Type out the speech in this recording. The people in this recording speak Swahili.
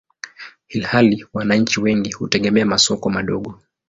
ilhali wananchi wengi hutegemea masoko madogo.